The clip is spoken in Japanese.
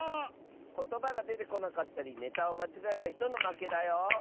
ことばがでてこなかったりネタをまちがえたひとのまけだよ！